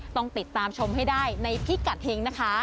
ต้องติดตามชมให้ได้ในพิกัดเฮงนะคะ